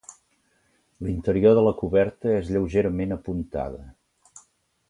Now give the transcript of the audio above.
L'interior la coberta és lleugerament apuntada.